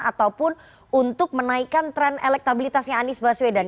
ataupun untuk menaikkan tren elektabilitasnya anies baswedan